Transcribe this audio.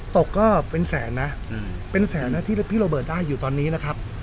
ก็เป็นแสนนะเป็นแสนนะที่พี่โรเบิร์ตได้อยู่ตอนนี้นะครับ